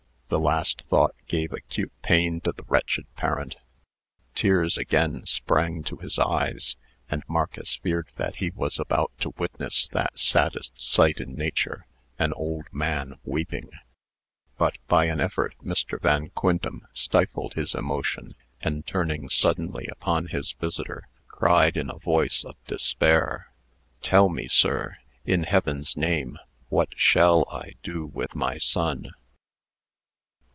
The last thought gave acute pain to the wretched parent. Tears again sprang to his eyes, and Marcus feared that he was about to witness that saddest sight in nature an old man weeping. But, by an effort, Mr. Van Quintem stifled his emotion, and, turning suddenly upon his visitor, cried, in a voice of despair: "Tell me, sir, in Heaven's name, what shall I do with my son?"